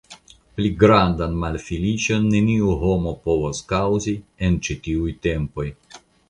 Pli grandan malfeliĉon neniu homo povus kaŭzi en ĉi tiuj tempoj.